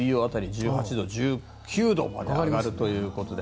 １８度、１９度まで上がるということで。